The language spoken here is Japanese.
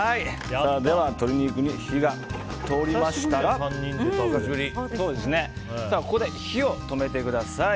では、鶏肉に火が通りましたらここで火を止めてください。